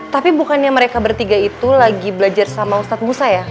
tapi bukannya mereka bertiga itu lagi belajar sama ustadz busa ya